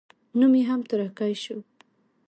نوم يې هم تورکى سو.